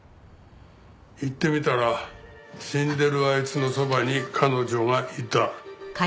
行ってみたら死んでるあいつのそばに彼女がいた。